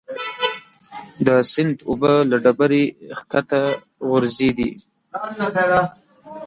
د سیند اوبه له ډبرې ښکته غورځېدې.